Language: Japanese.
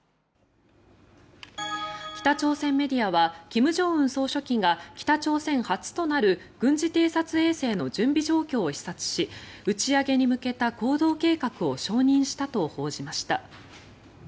北朝鮮メディアは金正恩総書記が北朝鮮初となる軍事偵察衛星の準備状況を視察し打ち上げに向けた行動計画を承認したと報じました。